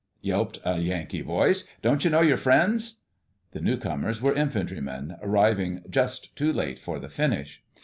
yelped a Yankee voice. "Don't you know your friends?" The newcomers were infantrymen, arriving just too late for the finish.